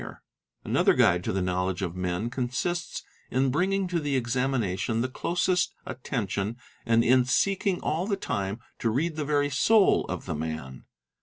Another guide to the knowledge of men consists in bringing to the examination the closest attention and in seeking all the time to read the very soul of the man.